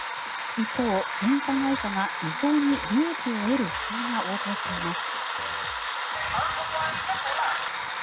一方、検査会社が違法に利益を得る不正が横行しています。